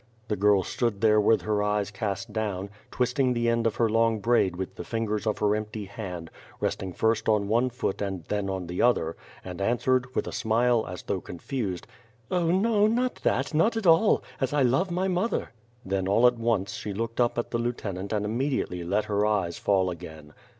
'' The girl stood tliere with her eyes cast down, twisting the end of her long braid with the fingers of her empty hand, resting first on one foot and then on the other, and answered with a smile as though confused: "Oh, no, not that — ^not at all — as T love my Mother." Then all at once, she looked up at the lieutenant and im mediately let her eyes fall again.